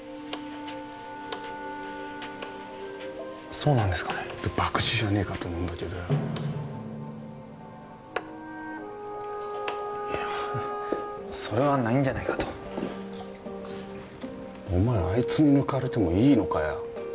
そうなんですかねバクチじゃねえかと思うんだけどよいやそれはないんじゃないかとお前あいつに抜かれてもいいのかよ？